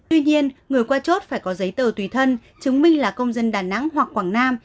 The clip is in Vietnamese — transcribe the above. tuy nhiên người qua chốt phải có giấy tờ tùy thân chứng minh là công dân đà nẵng hoặc quảng nam